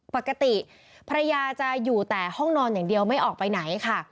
ปกติภรรยาจะอยู่แต่ห้องนอนอย่างเดียวไม่ออกไปไหนค่ะ